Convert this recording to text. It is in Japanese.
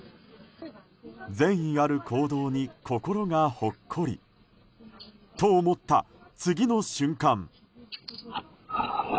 善意ある行動に心がほっこりと思った、次の瞬間。